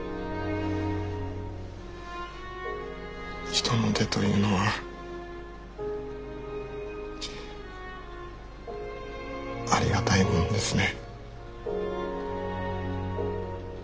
人の手というのはありがたいものですね。